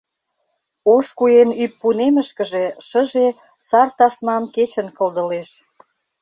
Ош куэн ӱп пунемышке шыже Сар тасмам кечын кылдылеш.